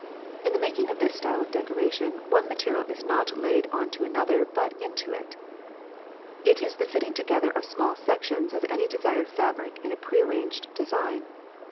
In the making of this style of decoration one material is not laid on to another, but into it. It is the fitting together of small sections of any desired fabric in a prearranged design.